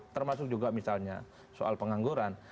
termasuk juga misalnya soal pengangguran